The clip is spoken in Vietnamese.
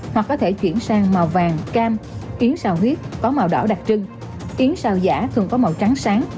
hoặc có thể chuyển sang màu vàng cam yến xào huyết có màu đỏ đặc trưng yến xào giả thường có màu trắng sáng